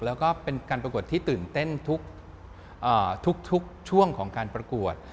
แล้วก็เป็นการประกวดที่ตื่นเต้นทุกช่วงของการประกวด